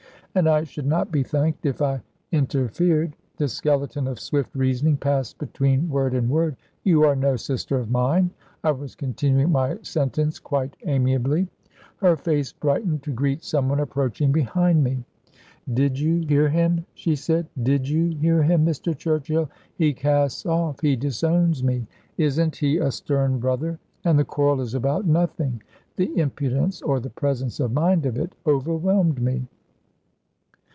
And I should not be thanked if I interfered. This skeleton of swift reasoning passed between word and word ... "You are no sister of mine!" I was continuing my sentence quite amiably. Her face brightened to greet someone approaching behind me. "Did you hear him?" she said. "Did you hear him, Mr. Churchill. He casts off he disowns me. Isn't he a stern brother? And the quarrel is about nothing." The impudence or the presence of mind of it overwhelmed me.